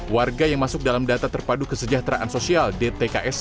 warga yang masuk dalam data terpadu kesejahteraan sosial dtks